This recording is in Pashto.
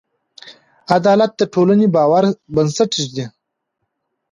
عدالت د ټولنې د باور بنسټ دی.